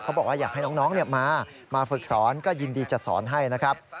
บอกว่าอยากให้น้องมามาฝึกสอนก็ยินดีจะสอนให้นะครับ